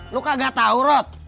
lo kagak tahu rot